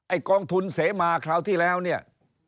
กองทุนเสมาคราวที่แล้วเนี่ย